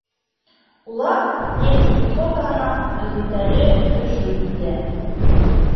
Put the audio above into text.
Улар немец пехотаһына һөҙөмтәле һөжүм итә.